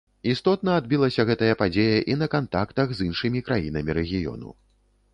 Істотна адбілася гэтая падзея і на кантактах з іншымі краінамі рэгіёну.